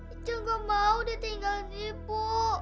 echa gak mau ditinggalin bu